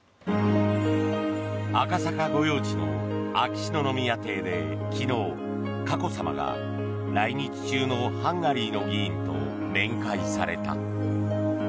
赤坂御用地の秋篠宮邸で昨日佳子さまが来日中のハンガリーの議員と面会された。